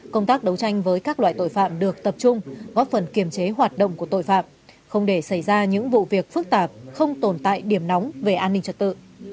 công tác đấu tranh với các loại tội phạm được tập trung góp phần kiềm chế hoạt động của tội phạm không để xảy ra những vụ việc phức tạp không tồn tại điểm nóng về an ninh trật tự